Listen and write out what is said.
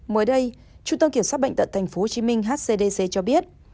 mới đây trung tâm kiểm soát bệnh tật tp hcm hcdc cho biết